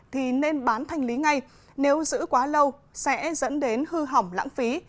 thì nên bán thanh lý ngay nếu giữ quá lâu sẽ dẫn đến hư hỏng lãng phí